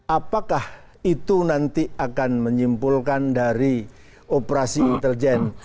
apakah itu nanti akan menyimpulkan dari operasi intelijen